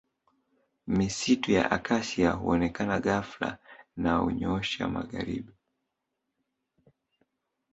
Misitu ya Acacia huonekana ghafla na hunyoosha magharibi